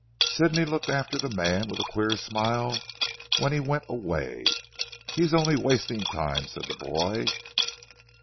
Sidney looked after the man with a queer smile when he went away. "He is only wasting time," said the boy.